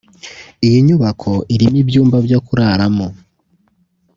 Iyi nyubako irimo ibyumba byo kuraramo